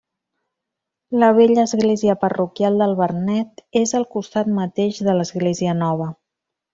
La vella església parroquial del Vernet és al costat mateix de l'església nova.